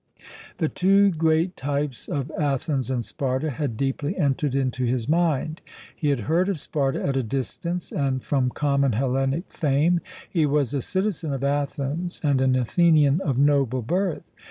The two great types of Athens and Sparta had deeply entered into his mind. He had heard of Sparta at a distance and from common Hellenic fame: he was a citizen of Athens and an Athenian of noble birth.